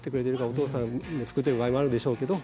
お父さんも作ってる場合もあるでしょうけど。